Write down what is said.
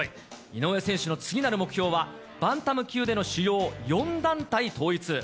井上選手の次なる目標は、バンタム級での主要４団体統一。